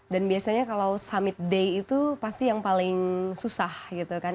dan biasanya kalau summit day itu pasti yang paling susah gitu kan